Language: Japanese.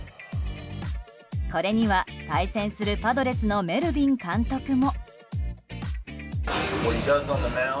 これには対戦するパドレスのメルビン監督も。